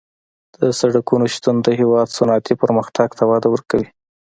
د سرکونو شتون د هېواد صنعتي پرمختګ ته وده ورکوي